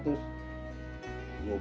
tak usah bang